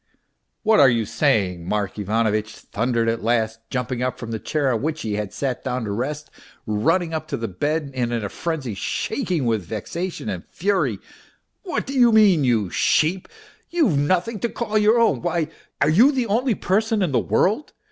" What are you saying ?" Mark Ivanovitch thundered at last, jumping up from the chair on which he had sat down to rest, running up to the bed and in a frenzy shaking with vexation and fury. " What do you mean ? You sheep ! You've nothing to call your own. Why, are you the only person in the world